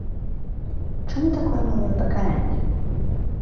Чаму такое малое пакаранне?